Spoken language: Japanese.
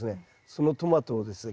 そのトマトをですね